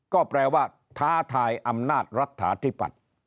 ก็แปลว่าท้าทายอำนาจรัฐฐาธิปัตย์